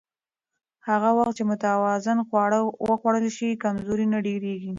هغه وخت چې متوازن خواړه وخوړل شي، کمزوري نه ډېریږي.